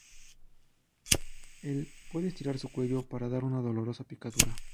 Él puede estirar su cuello para dar una dolorosa picadura.